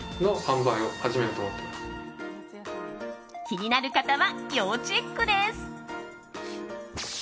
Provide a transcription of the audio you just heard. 気になる方は、要チェックです。